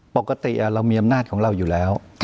ปกติเรามีอำนาจของเราอยู่แล้ว